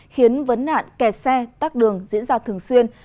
khiến vấn nạn kẹt xe tắc đường diễn ra thường xuyên